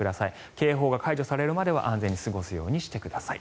警報が解除されるまでは安全に過ごすようにしてください。